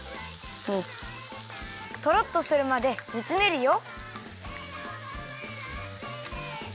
トロッとするまでにつめるよ。